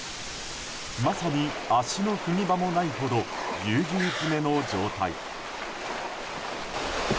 まさに、足の踏み場もないほどぎゅうぎゅう詰めの状態。